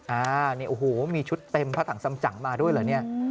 อ่านี่โอ้โหมีชุดเต็มพระถังสำจังมาด้วยเหรอเนี่ย